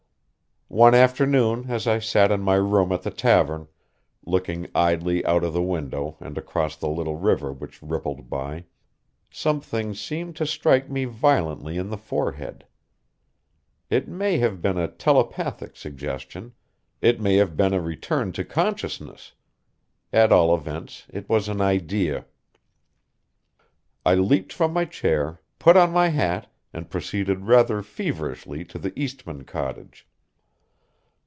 One afternoon as I sat in my room at the tavern, looking idly out of the window and across the little river which rippled by, something seemed to strike me violently in the forehead. It may have been a telepathic suggestion, it may have been a return to consciousness; at all events it was an idea. I leaped from my chair, put on my hat, and proceeded rather feverishly to the Eastmann cottage.